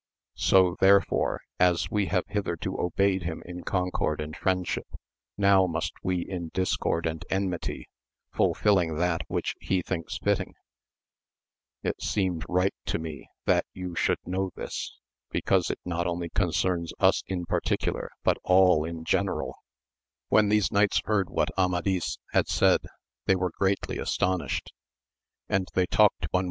So, therefore,^ as we have hitherto obeyed bim in concord and Mendship, now must we in discord and enmity, fulfilling that which he thinks fitting ; it seemed right to me that you should know this, because it not only concerns us in particular, but aU in generaL When these knights heard what Amadis had said they were greatly astonished, and they talked one \ 112 AMADIS OF GAUL.